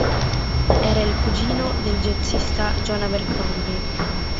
Era il cugino del jazzista John Abercrombie.